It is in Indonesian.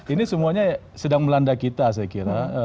ini semuanya sedang melanda kita saya kira